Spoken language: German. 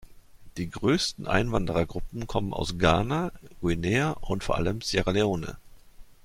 Die größten Einwanderergruppen kommen aus Ghana, Guinea und vor allem Sierra Leone.